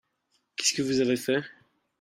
Qu'est-ce que vous avez fait ?